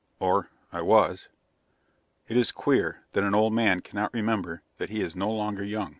Or I was. It is queer that an old man cannot remember that he is no longer young.